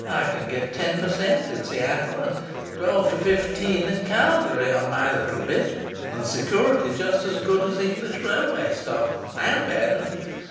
I can get ten per cent in Seattle and twelve to fifteen in Calgary on my little bit; and security just as good as English railway stock and better!"